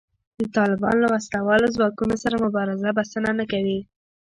د طالبانو له وسله والو ځواکونو سره مبارزه بسنه نه کوي